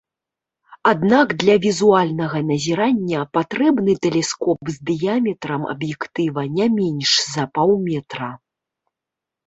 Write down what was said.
Аднак для візуальнага назірання патрэбны тэлескоп з дыяметрам аб'ектыва не менш за паўметра.